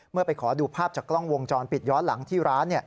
ไปขอดูภาพจากกล้องวงจรปิดย้อนหลังที่ร้าน